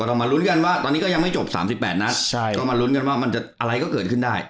เรามาลุ้นกันว่าตอนนี้ก็ยังไม่จบ๓๘นัดใช่ก็มาลุ้นกันว่ามันจะอะไรก็เกิดขึ้นได้